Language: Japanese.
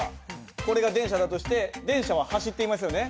これが電車だとして電車は走っていますよね？